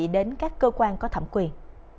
đến các cơ quan có thẩm quyền